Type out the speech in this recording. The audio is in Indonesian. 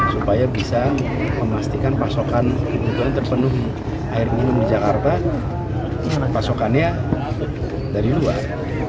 supaya bisa memastikan pasokan kebutuhan terpenuhi air minum di jakarta pasokannya dari luar